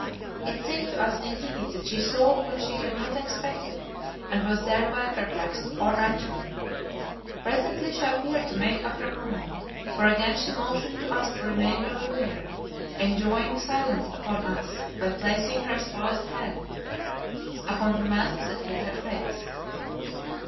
It seemed to us, indeed, that she saw what she had not expected and was thereby perplexed or angered. Presently she appeared to make up her mind, for again she motioned to us to remain where we were, enjoining silence upon us by placing her swathed hand upon the mask that hid her face.